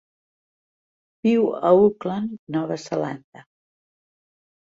Viu a Auckland, Nova Zelanda.